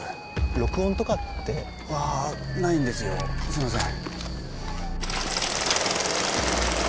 録音とかって？はないんですよすいません。